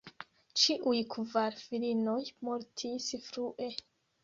Ĉiuj kvar filinoj mortis frue.